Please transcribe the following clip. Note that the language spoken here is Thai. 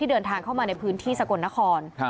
เดินทางเข้ามาในพื้นที่สกลนคร